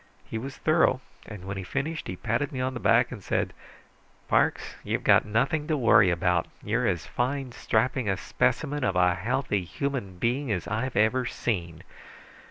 He was thorough, and when he finished he patted me on the back and said, 'Parks, you've got nothing to worry about. You're as fine, strapping a specimen of a healthy human being as I've ever seen.'